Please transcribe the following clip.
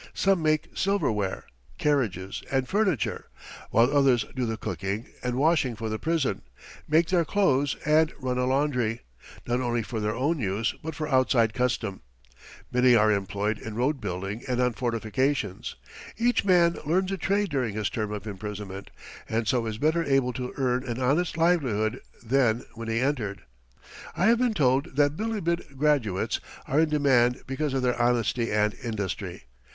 Some make silverware, carriages, and furniture, while others do the cooking and washing for the prison, make their clothes, and run a laundry, not only for their own use, but for outside custom. Many are employed in road building and on fortifications. Each man learns a trade during his term of imprisonment, and so is better able to earn an honest livelihood than when he entered. I have been told that Bilibid "graduates" are in demand because of their honesty and industry.